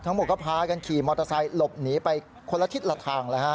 ทั้งหมดก็พากันขี่มอเตอร์ไซค์หลบหนีไปคนละทิศละทาง